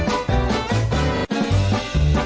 โอ้โอ้